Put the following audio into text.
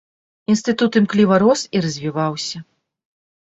Інстытут імкліва рос і развіваўся.